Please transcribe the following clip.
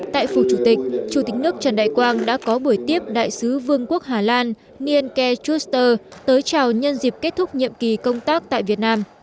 tại phủ chủ tịch chủ tịch nước trần đại quang đã có buổi tiếp đại sứ vương quốc hà lan nianke chuster tới chào nhân dịp kết thúc nhiệm kỳ công tác tại việt nam